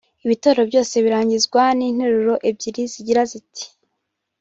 Ibitero byose birangizwa n’interuro ebyiri zigira ziti